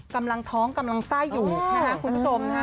กำลังท้องกำลังไส้อยู่นะคะคุณผู้ชมนะฮะ